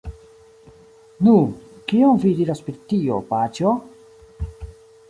Nu! kion vi diras pri tio, paĉjo?